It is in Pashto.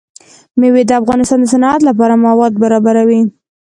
مېوې د افغانستان د صنعت لپاره مواد برابروي.